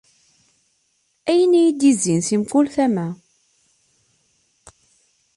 Ayen iyi-d-izzin si mkul tama.